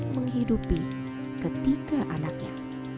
menghidupi ketika anaknya